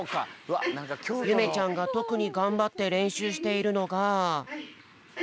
ゆめちゃんがとくにがんばってれんしゅうしているのが。